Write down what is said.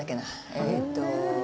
えーっと。